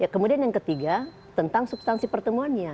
kemudian yang ketiga tentang substansi pertemuannya